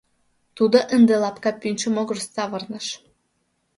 Тудо ынде лапка пӱнчӧ могырыш савырныш.